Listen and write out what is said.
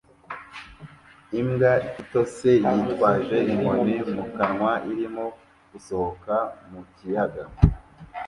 Imbwa itose yitwaje inkoni mu kanwa irimo gusohoka mu kiyaga